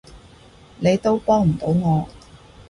你都幫唔到我